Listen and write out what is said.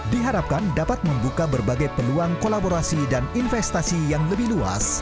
diharapkan dapat membuka berbagai peluang kolaborasi dan investasi yang lebih luas